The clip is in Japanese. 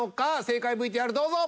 正解ＶＴＲどうぞ。